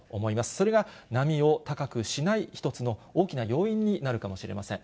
それが波を高くしない一つの大きな要因になるかもしれません。